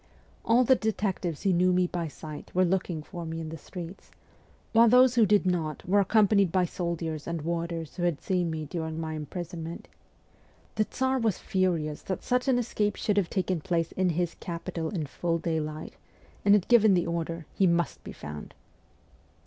All v the detectives who knew me by sight were looking for me in the streets ; while those who did not were accompanied by soldiers and warders who had seen me during my imprison ment. The Tsar was furious that such an escape should have taken place in his capital in full daylight, and had given the order, ' He must be found.'